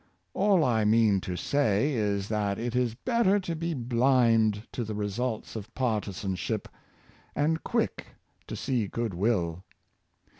All I mean to say is that it is better to be blind to the re sults of partisanship, and quick to see good will.